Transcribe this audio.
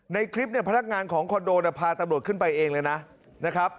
ในคลิปพนักงานของคอนโดพาตำรวจขึ้นไปเองเลยนะ